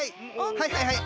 はいはいはい！